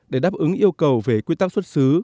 để đáp ứng yêu cầu về quy tắc xuất xứ